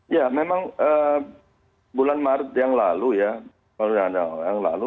ya memang bulan maret yang lalu ya kalau tidak ada orang yang lalu